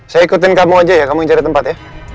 saya ikutin kamu aja ya kamu cari tempat ya